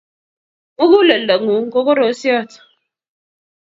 Muguleldo ng'uung ko korosiot